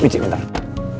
insya allah aman kok